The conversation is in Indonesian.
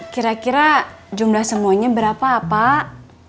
kira kira jumlah semuanya berapa pak